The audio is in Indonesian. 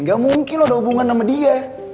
gak mungkin lo udah hubungan sama dia